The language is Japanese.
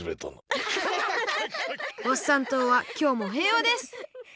ワッサン島はきょうもへいわです！